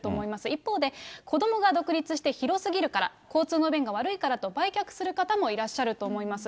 一方で子どもが独立して、広すぎるから、交通の便が悪いからと売却する方もいらっしゃると思います。